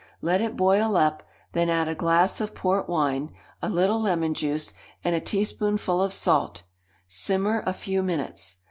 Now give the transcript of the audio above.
Let it boil up, then add a glass of port wine, a little lemon juice, and a teaspoonful of salt; simmer a few minutes.